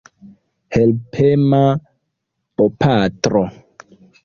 Helpema bopatro.